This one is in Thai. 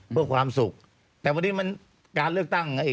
เพื่อความสุขแต่วันนี้มันการเลือกตั้งไง